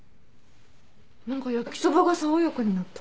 何か焼きそばが爽やかになった。